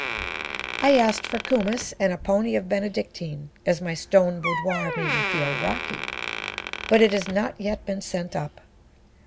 I asked for kumiss and a pony of Benedictine, as my stone boudoir made me feel rocky, but it has not yet been sent up.